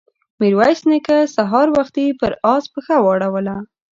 ميرويس نيکه سهار وختي پر آس پښه واړوله.